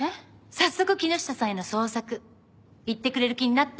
早速木下さんへの捜索行ってくれる気になった？